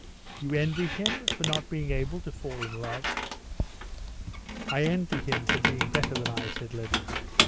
"You envy him for not being able to fall in love?" "I envy him for being better than I," said Levin.